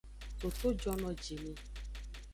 Toto jonojini.